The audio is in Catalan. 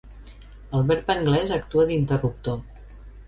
El verb anglès actua d'interruptor.